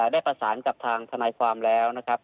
ได้ประสานกับทางทนายความแล้วนะครับ